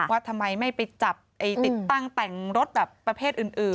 ว่าทำไมไม่ไปจับติดตั้งแต่งรถแบบประเภทอื่น